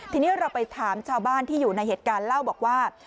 ทีนี้เราไปถามชาวบ้านที่อยู่ในเหตุการณ์เล่าบอกว่า